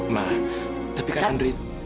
ma tapi kak andre